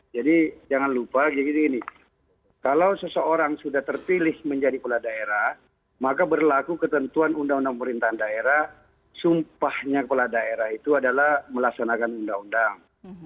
jadi jangan lupa kalau seseorang sudah tertilih menjadi kepala daerah maka berlaku ketentuan undang undang perintahan daerah sumpahnya kepala daerah itu adalah melaksanakan undang undang